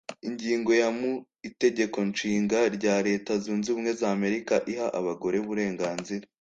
Ingingo ya mu itegeko nshinga rya Leta zunze ubumwe za Amarika iha abagore uburenganzira